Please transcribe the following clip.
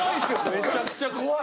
めちゃくちゃ怖い。